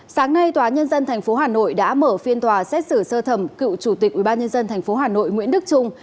sáng nay tòa nhân dân tp hà nội đã mở phiên tòa xét xử sơ thẩm cựu chủ tịch ubnd tp hà nội nguyễn đức trung